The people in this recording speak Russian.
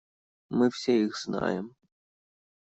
Мы все их знаем.